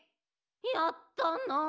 ・やったなあ！